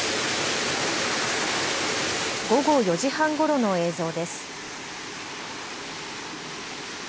午後４時半ごろの映像です。